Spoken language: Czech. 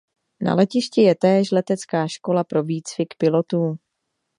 Na letišti je též letecká škola pro výcvik pilotů.